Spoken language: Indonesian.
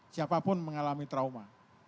siapa pun mengalami trauma